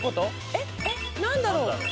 え、何だろう。